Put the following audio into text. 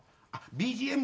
ＢＧＭ。